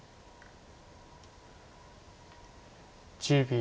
１０秒。